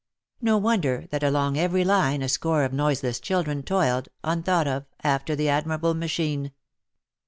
No wonder that along every line a score of OF MICHAEL ARMSTRONG. 237 noiseless children toiled, unthought of, after the admirable machine